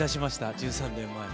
１３年前を。